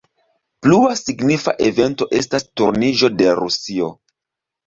Plua signifa evento estas turniĝo de Rusio.